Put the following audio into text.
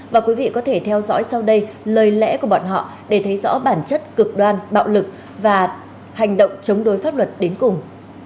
và quý vị có thể theo dõi sau đây lời lẽ của bọn họ để thấy rõ bản chất cực đoan bạo lực và hành động chống đối pháp luật đến cùng